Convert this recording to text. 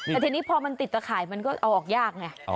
แต่ทีนี้พอติดตาข่ายก็เอาออกยากนะ